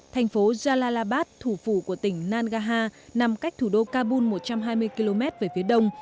thành phố zalalabad thủ phủ của tỉnh nagaha nằm cách thủ đô kabul một trăm hai mươi km về phía đông